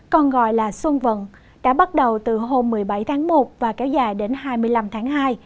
còn gọi là xuân vận đã bắt đầu từ hôm một mươi bảy tháng một và kéo dài đến hai mươi năm tháng hai